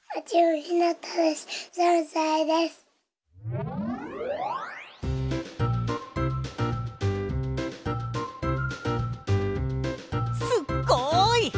すっごい！